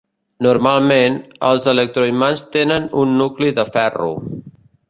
Normalment, els electroimants tenen un nucli de ferro.